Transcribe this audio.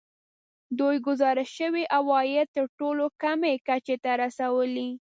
دوی ګزارش شوي عواید تر ټولو کمې کچې ته رسولي